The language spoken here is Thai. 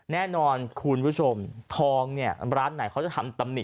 แน่นอนคุณผู้ชมทองเนี่ยร้านไหนเขาจะทำตำหนิ